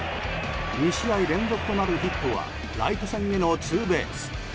２試合連続となるヒットはライト線へのツーベース。